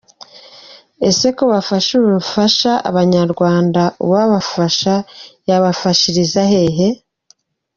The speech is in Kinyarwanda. Ese ko basaba ubufasha abanyarwanda uwabafasha yabafashiriza hehe?